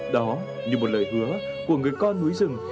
đó như một lời hứa của người con núi rừng